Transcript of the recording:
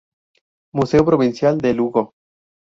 Museo Provincial de Lugo.